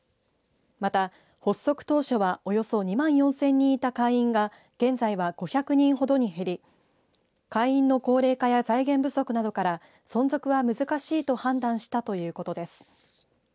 また、発足当初はおよそ２万４０００人いた会員が現在は５００人ほどに減り会員の高齢化や財源不足などから存続は難しいと判断したということです。